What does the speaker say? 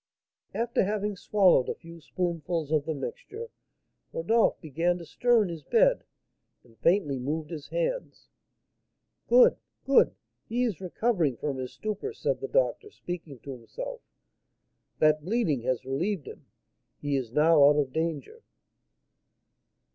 After having swallowed a few spoonfuls of the mixture, Rodolph began to stir in his bed, and faintly moved his hands. "Good! good! he is recovering from his stupor," said the doctor, speaking to himself. "That bleeding has relieved him; he is now out of danger."